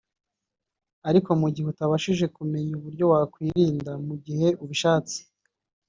Ariko mu gihe utabashije k’umenya uburyo wakwirinda mu gihe ubishatse